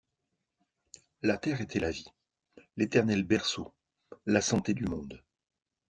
La terre était la vie, l’éternel berceau, la santé du monde.